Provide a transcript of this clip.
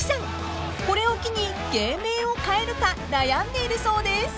［これを機に芸名を変えるか悩んでいるそうです］